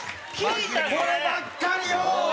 そればっかりよう！